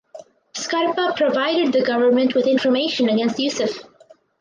Scarpa provided the government with information against Yousef.